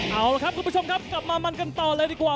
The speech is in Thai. เอาละครับคุณผู้ชมครับกลับมามันกันต่อเลยดีกว่า